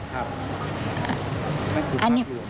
ครับให้คุณภาพรู้